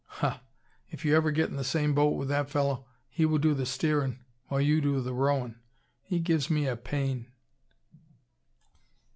"Huh! If you ever get in the same boat with that fellow he will do the steerin' while you do the rowin'. He gives me a pain!"